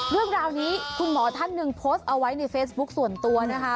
เรื่องราวนี้คุณหมอท่านหนึ่งโพสต์เอาไว้ในเฟซบุ๊คส่วนตัวนะคะ